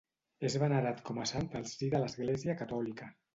És venerat com a sant al si de l'església catòlica.